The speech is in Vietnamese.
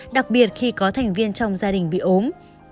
đặc biệt khi có thành viên trong gia đình bị ốm